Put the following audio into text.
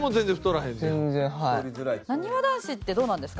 なにわ男子ってどうなんですか？